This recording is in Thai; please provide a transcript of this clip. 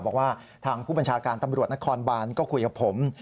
บอกว่าทางผู้บัญชาการตำรวจนครบานก็คุยกับผม